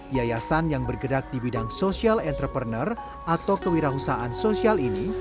yayasan yang bergerak di bidang social entrepreneur atau kewirausahaan sosial ini